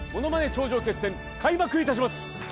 頂上決戦開幕いたします